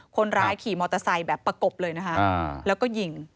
คนร้ายขี่มอเตอร์ไซค์แบบประกบเลยนะคะแล้วก็ยิง